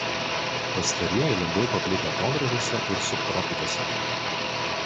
Pastarieji labiau paplitę atogrąžose ir subtropikuose.